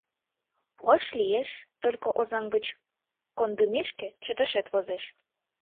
— Пуаш лиеш, только Озаҥ гыч кондымешке чыташет возеш...